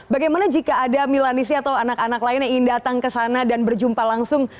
bagaimana jika ada milanisi atau anak anak lain yang ingin datang ke sana dan berjumpa langsung